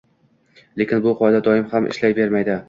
Lekin bu qoida doim ham ishlayvermaydi.